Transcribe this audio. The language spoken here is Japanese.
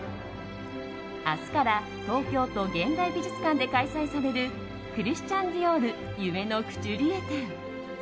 明日から東京都現代美術館で開催されるクリスチャン・ディオール夢のクチュリエ展。